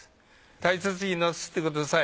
大切になすってください。